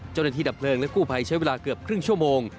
เจ้านานที่แดบเพลิงและกู้ไพใช้เวลาเกือบครึ่งชั่วโมง